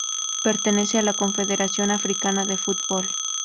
Pertenece a la Confederación Africana de Fútbol.